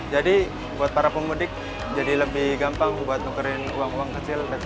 jadi buat para pemudik jadi lebih gampang buat nukerin uang uang kecil